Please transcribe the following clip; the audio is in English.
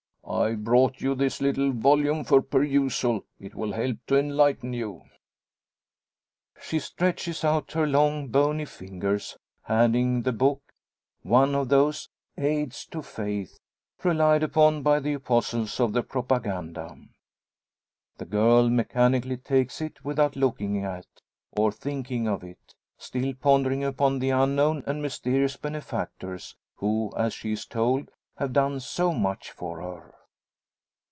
I've brought you this little volume for perusal. It will help to enlighten you." She stretches out her long bony fingers, handing the book one of those "Aids to Faith" relied upon by the apostles of the Propaganda. The girl mechanically takes it, without looking at, or thinking of it; still pondering upon the unknown and mysterious benefactors, who, as she is told, have done so much for her.